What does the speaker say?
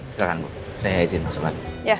silahkan bu saya izin masuk lagi